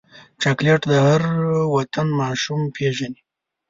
چاکلېټ د هر وطن ماشوم پیژني.